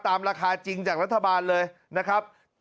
ราคาจริงจากรัฐบาลเลยนะครับ